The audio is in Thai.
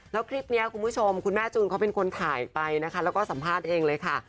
แล้วคลิปนี้คุณผู้ชมคุณแม่จูนเขาเป็นคนถ่ายไปนะคะแล้วก็สัมภาษณ์เองเลยค่ะ